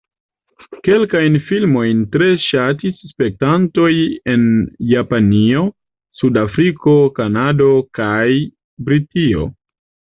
Kelkajn filmojn tre ŝatis spektantoj en Japanio, Sud-Afriko, Kanado kaj Britio.